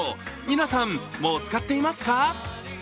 皆さん、もう使っていますか？